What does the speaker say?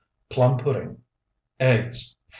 PLUM PUDDING Eggs, 4.